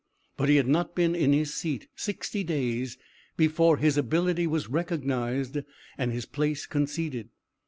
But he had not been in his seat sixty days before his ability was recognized and his place conceded.